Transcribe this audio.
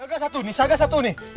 jaga satu nih jaga satu nih